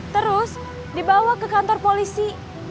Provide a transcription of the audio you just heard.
terus dibawa ke kantor polisi